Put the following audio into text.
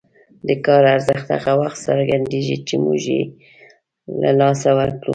د کار ارزښت هغه وخت څرګندېږي چې موږ یې له لاسه ورکړو.